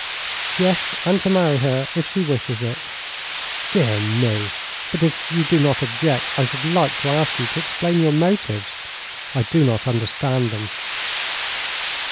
"Yes, and to marry her if she wishes it." "Dear me! But if you do not object I should like to ask you to explain your motives. I do not understand them."